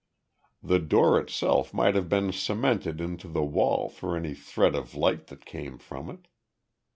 The door itself might have been cemented into the wall for any thread of light that came from it.